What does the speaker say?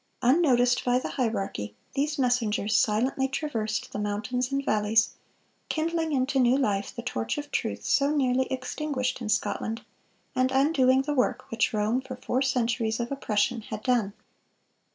Unnoticed by the hierarchy, these messengers silently traversed the mountains and valleys, kindling into new life the torch of truth so nearly extinguished in Scotland, and undoing the work which Rome for four centuries of oppression had done.